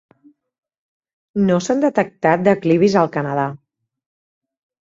No s'han detectat declivis al Canadà.